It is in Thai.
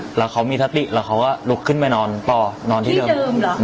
อ่าแล้วเขามีสติแล้วเขาก็ลุกขึ้นไปนอนต่อนอนที่เดิมที่เดิมหรอ